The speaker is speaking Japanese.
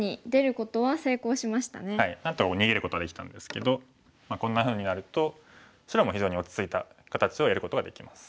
なんとか逃げることはできたんですけどこんなふうになると白も非常に落ち着いた形を得ることができます。